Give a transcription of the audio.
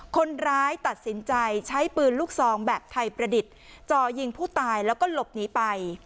คนร้ายตัดสินใจใช้ปืนลูกซองแบบไทยประดิษฐ์จ่อยิงผู้ตายแล้วก็หลบหนีไป